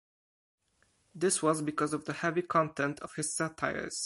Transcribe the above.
This was because of the heavy content of his satires.